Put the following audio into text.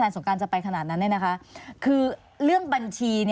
สงสัย